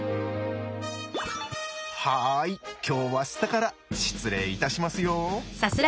はい今日は下から失礼いたしますよ。